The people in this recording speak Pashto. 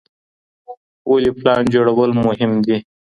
ولي پلان جوړول مهم دي؟